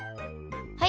はい！